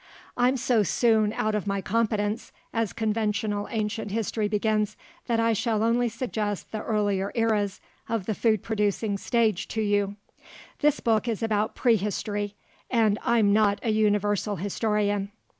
I'm so soon out of my competence, as conventional ancient history begins, that I shall only suggest the earlier eras of the food producing stage to you. This book is about prehistory, and I'm not a universal historian.